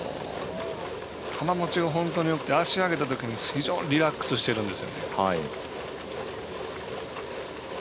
球もちが本当によくて足、上げたときに非常にリラックスしてるんです。